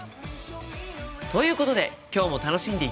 ということで今日も楽しんでいただけましたか？